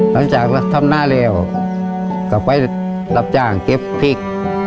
หลังจากทำหน้าแล้วก็ไปรับจ้างเก็บพริก